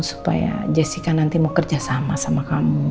supaya jessica nanti mau kerja sama sama kamu